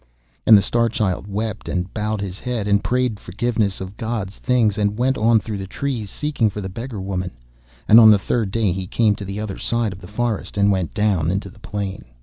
And the Star Child wept and bowed his head, and prayed forgiveness of God's things, and went on through the forest, seeking for the beggar woman. And on the third day he came to the other side of the forest and went down into the plain.